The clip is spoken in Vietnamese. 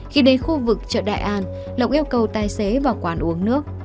khi đến khu vực chợ đại an lộc yêu cầu tài xế vào quán uống nước